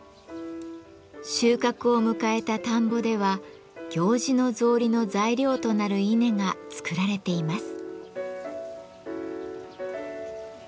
収穫を迎えた田んぼでは行司の草履の材料となる稲が作られています。